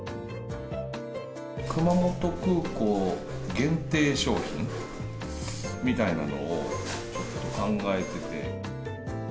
熊本空港限定商品みたいなのをちょっと考えてて。